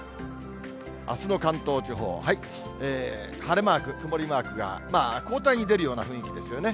あすの関東地方、晴れマーク、曇りマークが交代に出るような雰囲気ですよね。